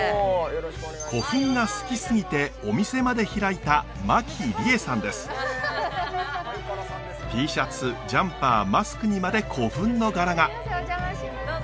古墳が好きすぎてお店まで開いたＴシャツジャンパーマスクにまで古墳の柄が。